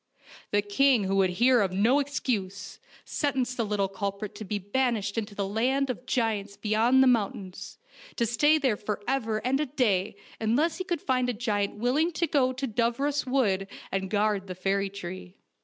The king, who would hear of no excuse, sentenced the little culprit to be banished into the land of giants beyond the mountains, to stay there for ever and a day unless he could find a giant willing to go to Dooros Wood and guard the fairy tree.